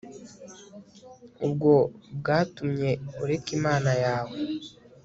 ubwo bwatumye ureka imana yawe